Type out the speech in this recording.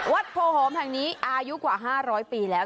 โพหอมแห่งนี้อายุกว่า๕๐๐ปีแล้ว